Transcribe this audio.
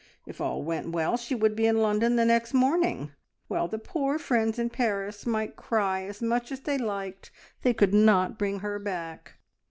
If all went well, she would be in London next morning, while the poor friends in Paris might cry as much as they liked they could not bring her back."